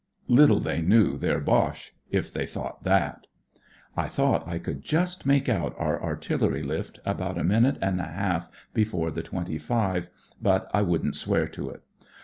Little they knew their Boche, if they thought that. I thought I could just make out our artillery lift, about a minute and a half before the twenty five, but I wouldn't swear to it.